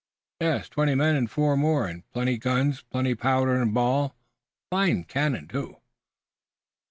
"Yes, twenty men and four more, and plenty guns, plenty powder and ball. Fine cannon, too."